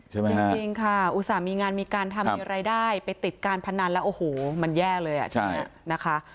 จริงค่ะอุตส่าห์มีงานมีการทำมีรายได้ไปติดการพนันแล้วโอ้โหมันแย่เลยอ่ะใช่ไหมนะคะ